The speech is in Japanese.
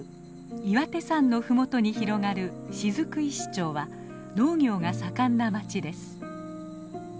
岩手山の麓に広がる雫石町は農業が盛んな町です。